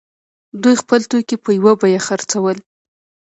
دوی خپل توکي په یوه بیه خرڅول.